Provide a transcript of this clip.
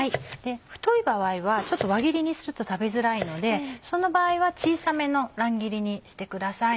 太い場合は輪切りにすると食べづらいのでその場合は小さめの乱切りにしてください。